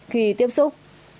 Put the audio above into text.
khi tiếp xúc